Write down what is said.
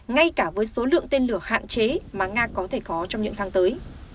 ngay cả với số lượng tên lửa hạn chế mà nga có thể có trong những tháng tới